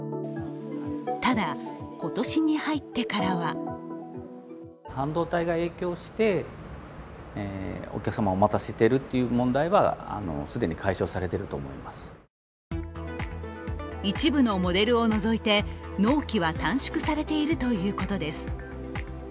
ただ、今年に入ってからは一部のモデルを除いて、納期は短縮されているということです。